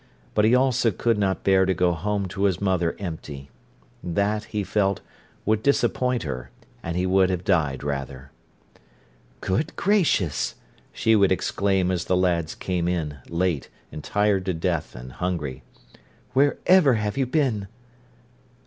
But he also could not bear to go home to his mother empty. That, he felt, would disappoint her, and he would have died rather. "Good gracious!" she would exclaim as the lads came in, late, and tired to death, and hungry, "wherever have you been?"